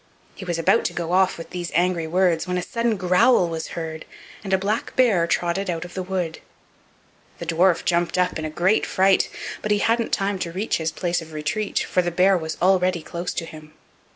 He was about to go off with these angry words when a sudden growl was heard, and a black bear trotted out of the wood. The dwarf jumped up in great fright, but he hadn't time to reach his place of retreat, for the bear was already close to him.